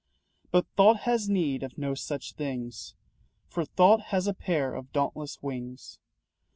But Thought has need of no such things, For Thought has a pair of dauntless wings.